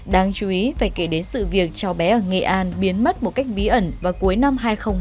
đáng chú ý phải kể đến sự việc cháu bé ở nghệ an biến mất một cách bí ẩn vào cuối năm hai nghìn một mươi